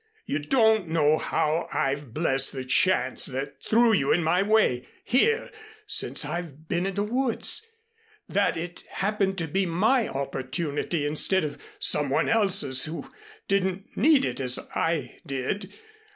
You don't know how I've blessed the chance that threw you in my way here since I've been in the woods that it happened to be my opportunity instead of some one else's who didn't need it as I did.